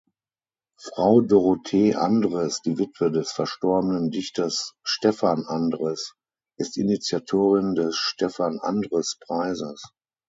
Frau Dorothee Andres, die Witwe des verstorbenen Dichters Stefan Andres, ist Initiatorin des Stefan-Andres-Preises.